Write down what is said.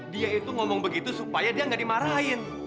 dia itu ngomong begitu supaya dia nggak dimarahin